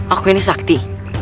aku ini sakti